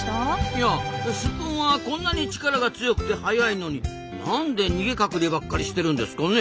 いやスッポンはこんなに力が強くて速いのになんで逃げ隠ればっかりしてるんですかね？